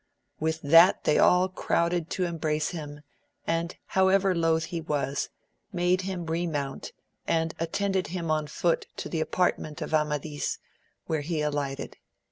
With that they all crowded to embrace him, and however loth he was, made him remount, and attended him on foot to the apartment of Amadis, where he alighted.